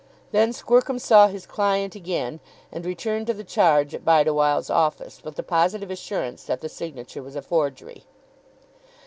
Then Squercum saw his client again, and returned to the charge at Bideawhile's office, with the positive assurance that the signature was a forgery.